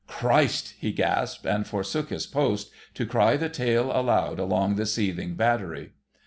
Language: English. "Christ!" he gasped, and forsook his post, to cry the tale aloud along the seething battery.